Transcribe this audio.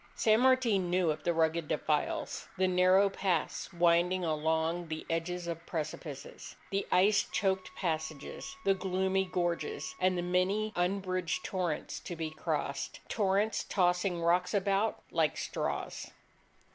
San Martin knew of the rugged defiles, the narrow paths winding along the edges of precipices, the ice choked passages, the gloomy gorges, and the many unbridged torrents to be crossed, torrents tossing rocks about like straws.